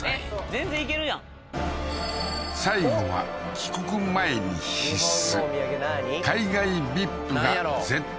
全然行けるやん最後は帰国前に必須